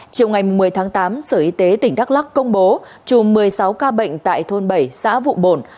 chiều ngày một mươi tháng tám sở y tế tỉnh đắk lắc công bố chùm một mươi sáu ca bệnh tại thôn bảy xã vụ bồn